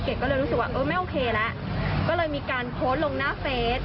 ก็เลยรู้สึกว่าเออไม่โอเคแล้วก็เลยมีการโพสต์ลงหน้าเฟส